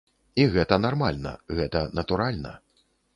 І гэта нармальна, гэта натуральна.